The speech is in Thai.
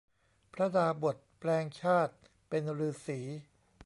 พระดาบศแปลงชาติเป็นฤๅษี